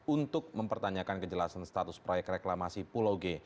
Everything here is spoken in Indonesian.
untuk mempertanyakan kejelasan status proyek reklamasi pulau g